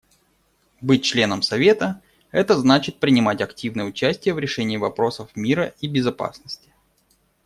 Быть членом Совета — это значит принимать активное участие в решении вопросов мира и безопасности.